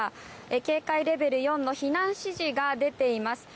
警戒レベル４の避難指示が出ています。